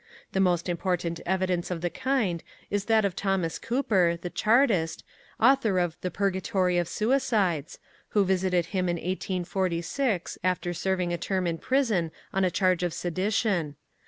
The most important evidence of the kind is that of Thomas Cooper, the Chartist, author of The Purgatory of Suicides, who visited him in 1846 after serving a term in prison on a charge of sedition.